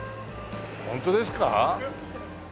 ホントですか？